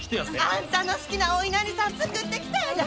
あんたの好きなおいなりさん作ってきたんやで。